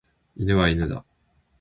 犬は犬だ。